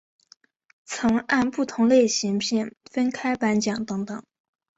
曾按不同类型片分开颁奖等等。